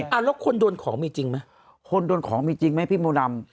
แล้วคนโดนของมีจริงไหมคนโดนของมีจริงไหมพี่โมดำ